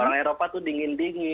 orang eropa tuh dingin dingin